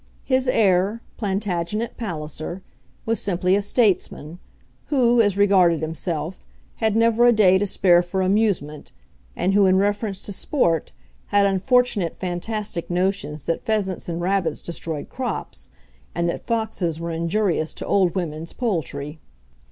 His heir, Plantagenet Palliser, was simply a statesman, who, as regarded himself, had never a day to spare for amusement; and who, in reference to sport, had unfortunate fantastic notions that pheasants and rabbits destroyed crops, and that foxes were injurious to old women's poultry.